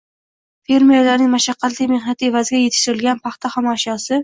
Fermerlarning mashaqqatli mehnati evaziga yetishtirilgan paxta xom ashyosi